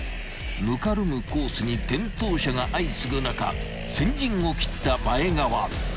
［ぬかるむコースに転倒者が相次ぐ中先陣を切った前川］